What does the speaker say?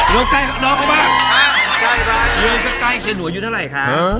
ลงไกลน้องเขาบ้าง